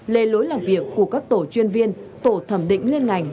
lề lối làm việc của các tổ chuyên viên tổ thẩm định liên ngành